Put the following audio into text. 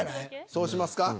そうしますか？